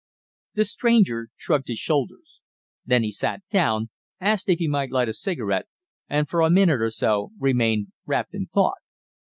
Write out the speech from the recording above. The stranger shrugged his shoulders. Then he sat down, asked if he might light a cigarette, and for a minute or so remained wrapped in thought.